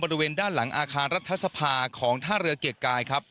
บริเวณด้านหลังอาคารรัฐสภาของท่าเรือเกียรติกายครับ